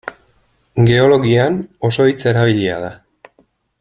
Geologian, oso hitz erabilia da.